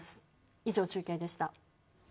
以上、中継でした。